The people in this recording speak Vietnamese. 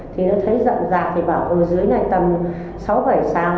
thì nó thấy rậm rạc thì bảo dưới này tầm sáu bảy sàn rồi